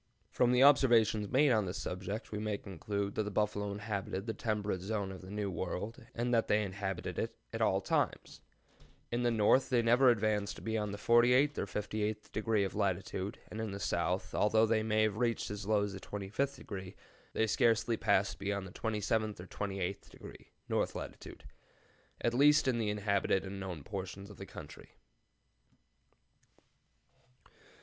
] "From the observations made on this subject we may conclude that the buffalo inhabited the temperate zone of the New World, and that they inhabited it at all times. In the north they never advanced beyond the 48th or 58th degree of latitude, and in the south, although they may have reached as low as 25°, they scarcely passed beyond the 27th or 28th degree (north latitude), at least in the inhabited and known portions of the country."